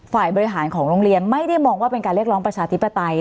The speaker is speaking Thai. ฝ่ายบริหารของโรงเรียนไม่ได้มองว่าเป็นการเรียกร้องประชาธิปไตย